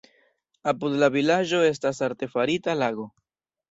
Apud la vilaĝo estas artefarita lago.